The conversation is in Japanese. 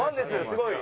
すごい。